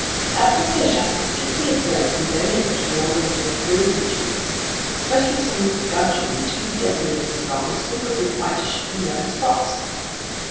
As for fish, I specifically observed some bony fish belonging to the goby genus, especially some gudgeon two decimeters long, sprinkled with whitish and yellow spots.